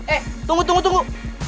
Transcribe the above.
eh tunggu tunggu tunggu